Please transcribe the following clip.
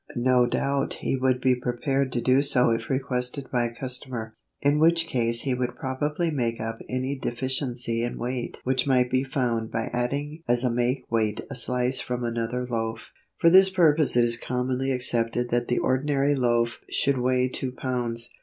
No doubt he would be prepared to do so if requested by a customer, in which case he would probably make up any deficiency in weight which might be found by adding as a makeweight a slice from another loaf. For this purpose it is commonly accepted that the ordinary loaf should weigh two pounds.